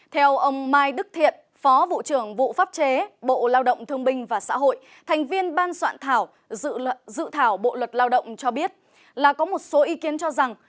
theo ông mai đức thiện phó vụ trưởng vụ pháp chế bộ lao động thương binh và xã hội thành viên ban soạn thảo dự thảo bộ luật lao động cho biết là có một số ý kiến cho rằng